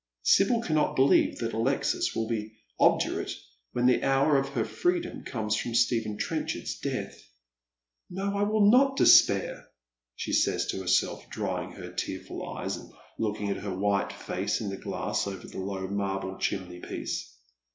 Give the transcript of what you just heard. Sibyl cannot believe that Alexis will be obdurate when the hour of her freedom comes with Stephen Trenchard's death. " No, I will not despair," she says to herself, drying her tearful eyes, and looking at her white face in the glass over the low marble chimney piece.